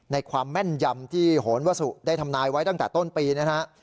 ในความแม่นยำที่โหนวสุได้ทำนายไว้ตั้งแต่ต้นปีนะฮะ